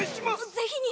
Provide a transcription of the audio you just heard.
ぜひに！